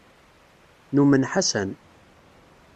Numen Ḥasan.